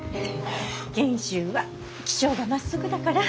賢秀は気性がまっすぐだから。